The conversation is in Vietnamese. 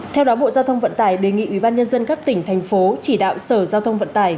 theo đó bộ giao thông vận tải đề nghị ubnd các tỉnh thành phố chỉ đạo sở giao thông vận tải